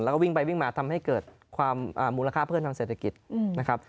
แล้วก็วิ่งไปวิ่งมาทำให้เกิดความมูลค่าเพิ่มทางเศรษฐกิจนะครับ